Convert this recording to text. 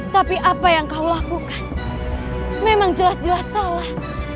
tapi apa yang kau lakukan memang jelas jelas salah